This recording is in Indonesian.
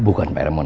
bukan pak remon